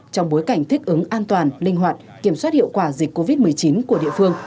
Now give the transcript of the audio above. trong bối cảnh thích ứng an toàn linh hoạt kiểm soát hiệu quả dịch covid một mươi chín